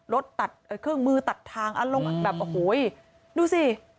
รถตัดเครื่องมือตัดทางอารมณ์แบบโอ้โหดูสิ